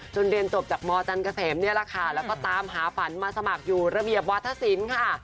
เรียนจบจากมจันเกษมนี่แหละค่ะแล้วก็ตามหาฝันมาสมัครอยู่ระเบียบวัฒนศิลป์ค่ะ